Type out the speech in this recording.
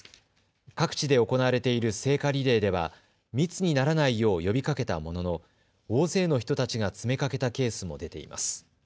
各地で行われている聖火リレーでは密にならないよう呼びかけたものの大勢の人たちが詰めかけたケースも出ています。